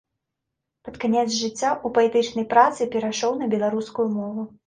Пад канец жыцця ў паэтычнай працы перайшоў на беларускую мову.